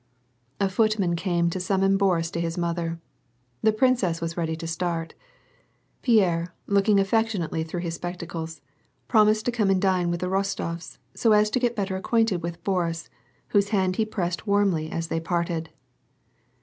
A footman came to summon Boris to his mother. The prin cess was ready to start. Pierre, looking affectionately through his spectacles, promised to come and dine with the Rostofs so as to get better acquainted with Boris, whose hand he pressed warmly as they parted.